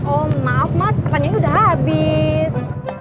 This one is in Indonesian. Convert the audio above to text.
oh maaf mas pertanyaannya udah habis